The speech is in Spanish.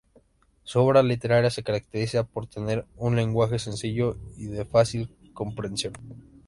Su obra literaria se caracteriza por tener un lenguaje sencillo y de fácil comprensión.